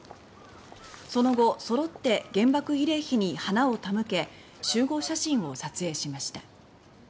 その後、そろって原爆慰霊碑に花を手向け集合写真を撮影しました。